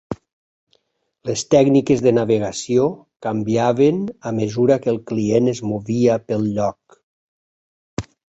Les tècniques de navegació canviaven a mesura que el client es movia pel lloc.